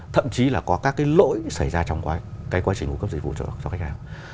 thậm chí là có các cái lỗi xảy ra trong quá trình cung cấp dịch vụ cho khách hàng